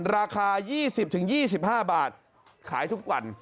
ราคา๒๐๒๕บาทขายทุกวัน